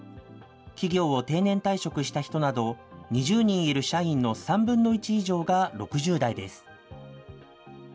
企業を定年退職した人など、２０人いる社員の３分の１以上が６０代です。